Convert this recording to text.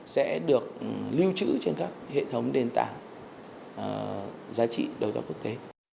sẽ được lưu trữ trên các hệ thống nền tảng giá trị đấu giá quốc tế